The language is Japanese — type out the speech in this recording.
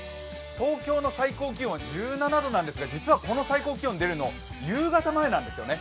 東京の最高気温は１７度なんですが、実はこの最高気温が出るのは夕方前なんですよね。